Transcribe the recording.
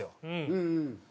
うん。